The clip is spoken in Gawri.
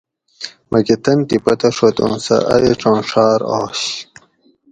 مکہ تن تھی پتہ ڛت اُوں سہ اۤ ایڄاں ڛاۤر آش